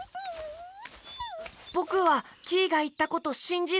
ぼくはキイがいったことしんじるよ。